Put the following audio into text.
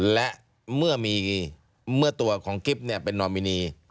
และเมื่อตัวของกิ๊บเป็นนอมินี